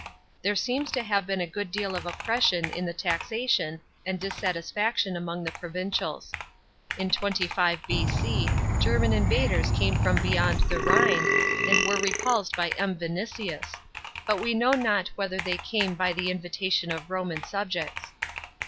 There seems to have been a good deal of oppression in the taxation, and dissatisfaction among the provincials. In 25 B.C. German invaders came from beyond the Rhine, and were repulsed by M. Vinicius ; but we know not whether they came by the inviiarion of Roman subjects.